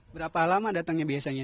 berapa lama datangnya biasanya